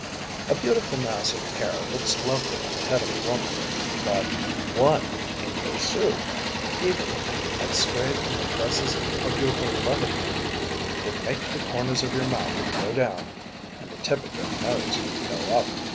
A beautiful mass of hair looks lovely on the head of a woman, but one in your soup, even if it had strayed from the tresses of your beloved one, would make the corners of your mouth go down, and the tip of your nose go up.